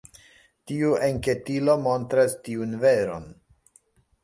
Tiu enketilo montras tiun veron.